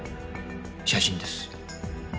写真です。